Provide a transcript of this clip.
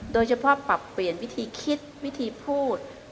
โดยเฉพาะปรับเปลี่ยนวิธีคิดวิธีพูด